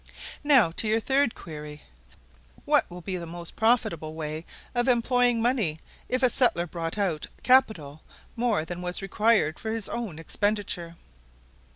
Now, to your third query, "What will be the most profitable way of employing money, if a settler brought out capital more than was required for his own expenditure?"